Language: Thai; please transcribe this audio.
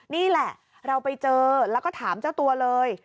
นี่แหละเราไปเจอแล้วก็ถามเจ้าตัวเลย